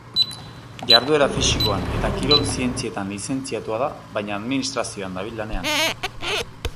Jarduera fisikoan eta kirol zientzietan lizentziatua da baina administrazioan dabil lanean.